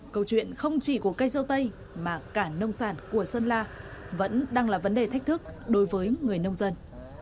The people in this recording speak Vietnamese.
câu chuyện không chỉ của cây dâu tây mà cả nông sản của sơn la vẫn đang là vấn đề thách thức đối với người nông dân